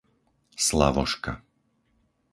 Slavoška